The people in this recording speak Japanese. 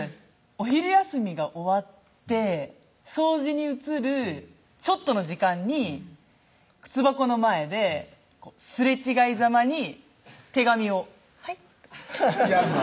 お昼休みが終わって掃除に移るちょっとの時間に靴箱の前ですれ違いざまに手紙を「はい」やんの？